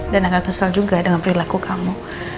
dan agak kesal juga dengan perilaku kamu